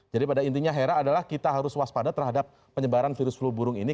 jadi pada intinya hera adalah kita harus waspada terhadap penyebaran virus flu burung ini